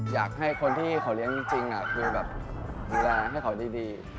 อยากให้คนที่เขาเลี้ยงจริงคือแบบดูแลให้เขาดี